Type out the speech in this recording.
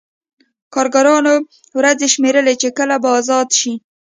کارګرانو ورځې شمېرلې چې کله به ازاد شي